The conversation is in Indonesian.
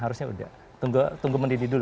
harusnya udah tunggu mendidih dulu